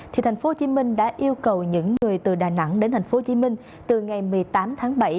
thì tp hcm đã yêu cầu những người từ đà nẵng đến tp hcm từ ngày một mươi tám tháng bảy